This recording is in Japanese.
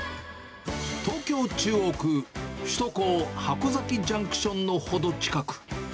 東京・中央区、首都高箱崎ジャンクションの程近く。